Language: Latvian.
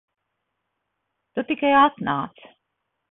Tu tikai atnāc.